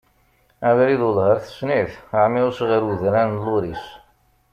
Abrid Welleh ar tessen-it, Ɛmiruc ɣer udran n Luris.